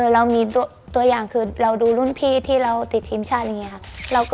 เรามีตัวอย่างคือเราดูรุ่นพี่ที่เราติดทีมชาติอย่างนี้ค่ะ